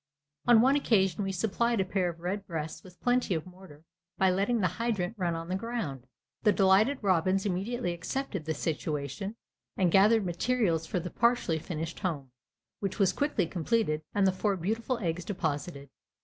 On one occasion we supplied a pair of redbreasts with plenty of mortar by letting the hydrant run on the ground. The delighted robins immediately accepted the situation and gathered materials for the partially finished home, which was quickly completed and the four beautiful eggs deposited.